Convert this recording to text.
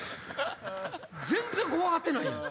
全然怖がってないやん。